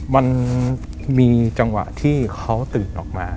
มันมีจังหวะที่เขาตื่นออกมา